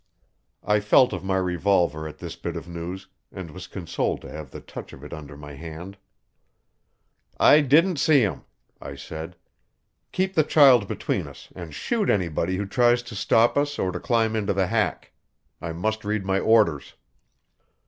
I felt of my revolver at this bit of news, and was consoled to have the touch of it under my hand. "I didn't see him," I said. "Keep the child between us, and shoot anybody who tries to stop us or to climb into the hack. I must read my orders."